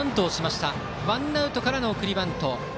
ワンアウトからの送りバント。